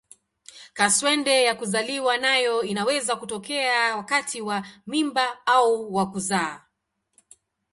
Kaswende ya kuzaliwa nayo inaweza kutokea wakati wa mimba au wa kuzaa.